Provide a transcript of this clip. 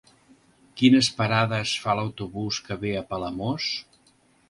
Quines parades fa l'autobús que va a Palamós?